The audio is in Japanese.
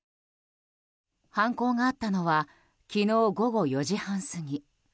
犯行があったのは昨日午後４時半過ぎ。